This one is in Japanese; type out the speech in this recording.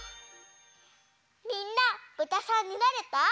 みんなぶたさんになれた？